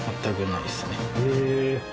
へえ。